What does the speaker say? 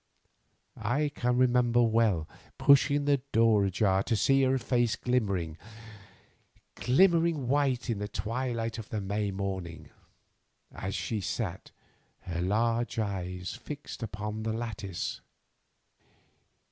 I can remember well pushing the door ajar to see her face glimmering white in the twilight of the May morning, as she sat, her large eyes fixed upon the lattice.